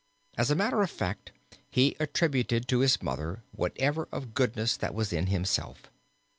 As a matter of fact he attributed to his mother whatever of goodness there was in himself.